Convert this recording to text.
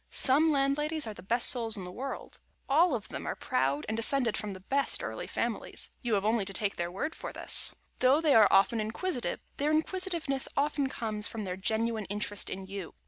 Some Landladies are the best souls in the world. All of them are proud and descended from the best early families (you have only to take their word for this). Though they are often inquisitive, their inquisitiveness often comes from their genuine interest in you.